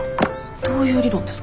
どういう理論ですか？